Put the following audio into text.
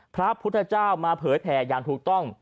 พระพุทธเจ้ามาเผยแผ่อย่างถูกต้อง